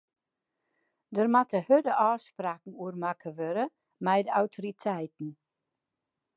Dêr moatte hurde ôfspraken oer makke wurde mei de autoriteiten.